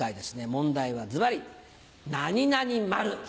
問題はズバリ「何々まる」。